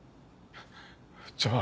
じゃあ。